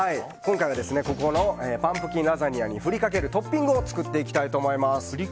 このパンプキンラザニアに振りかけるトッピングを作っていきたいと思います。